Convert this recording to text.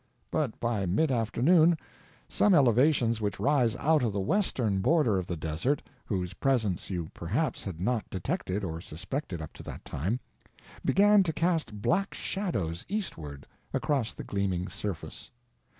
But by mid afternoon some elevations which rise out of the western border of the desert, whose presence you perhaps had not detected or suspected up to that time, began to cast black shadows eastward across the gleaming surface.